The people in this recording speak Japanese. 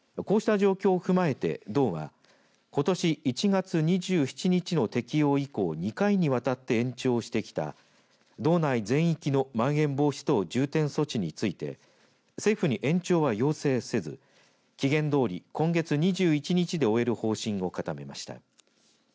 こうした状況を踏まえて道はことし１月２７日の適用以降２回にわたって延長してきた道内全域のまん延防止等重点措置について政府に延長は要請せず期限どおり今月２１日で終える方針を固めました。